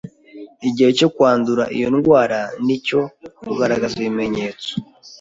Igihe cyo kwandura iyo ndwara nicyo kugaragaza ibimenyetso